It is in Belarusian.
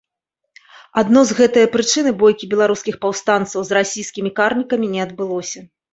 Адно з гэтае прычыны бойкі беларускіх паўстанцаў з расійскімі карнікамі не адбылося.